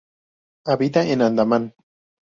Habita en Andamán.